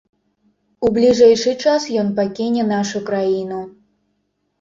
У бліжэйшы час ён пакіне нашу краіну.